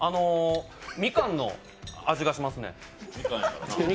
みかんの味がしますね。